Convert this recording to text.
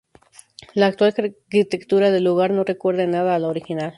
La actual arquitectura del lugar no recuerda en nada a la original.